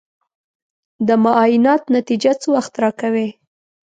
د معاینات نتیجه څه وخت راکوې؟